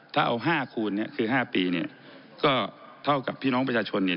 ถ้าเอา๕คูณเนี่ยคือ๕ปีเนี่ยก็เท่ากับพี่น้องประชาชนเนี่ย